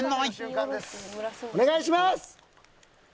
お願いします！